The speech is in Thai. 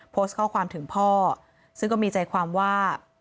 โพสต์ข้อความถึงพ่อซึ่งก็มีใจความว่า